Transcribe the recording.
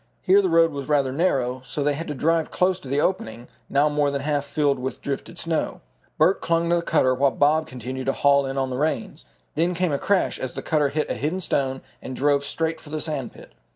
Here the road was rather narrow, so they had to drive close to the opening, now more than half filled with drifted snow. Bert clung to the cutter while Bob continued to haul in on the reins. Then came a crash, as the cutter hit a hidden stone and drove straight for the sand pit.